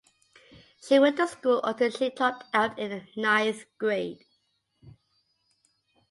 She went to school until she dropped out in the ninth grade.